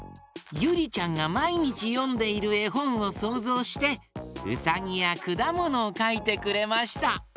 ゆりちゃんがまいにちよんでいるえほんをそうぞうしてうさぎやくだものをかいてくれました。